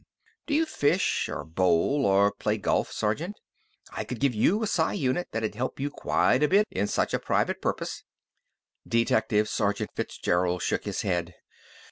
Do you fish, or bowl, or play golf, sergeant? I could give you a psi unit that'd help you quite a bit in such a private purpose." Detective Sergeant Fitzgerald shook his head.